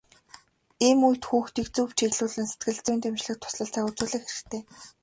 Ийм үед хүүхдийг зөв чиглүүлэн сэтгэл зүйн дэмжлэг туслалцаа үзүүлэх хэрэгтэй.